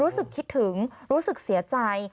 รู้สึกคิดถึงรู้สึกเสียใจ